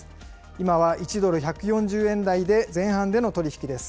今は１ドル１４０円台前半での取り引きです。